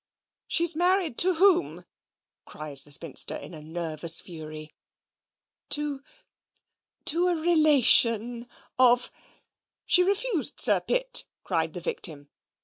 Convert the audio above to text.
"She's married to whom?" cries the spinster in a nervous fury. "To to a relation of " "She refused Sir Pitt," cried the victim.